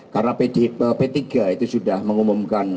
karena p tiga itu sudah mengumumkan